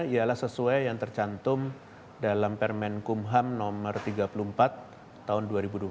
ialah sesuai yang tercantum dalam permen kumham no tiga puluh empat tahun dua ribu dua puluh